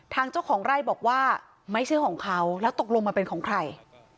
เจ้าของไร่บอกว่าไม่ใช่ของเขาแล้วตกลงมันเป็นของใคร